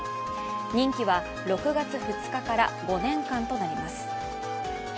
任期は６月２日から５年間となります。